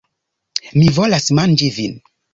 Mi volas manĝi vin!